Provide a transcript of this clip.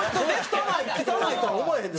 汚いとは思わへんで？